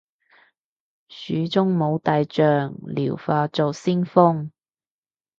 蜀中無大將，廖化作先鋒